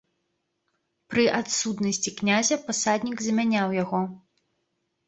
Пры адсутнасці князя пасаднік замяняў яго.